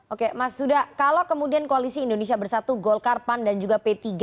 oke mas sudha kalau kemudian koalisi indonesia bersatu golkarpan dan juga p tiga